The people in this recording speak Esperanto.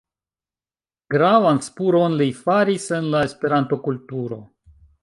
Gravan spuron li faris en la Esperanto-kulturo.